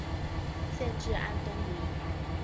县治安东尼。